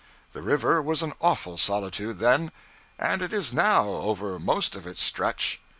The river was an awful solitude, then. And it is now, over most of its stretch.